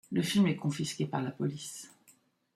Le film est confisqué par la police.